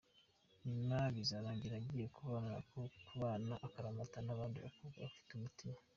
nyuma bizarangira agiye kubana akaramata n’abandi bakobwa bafite umutima.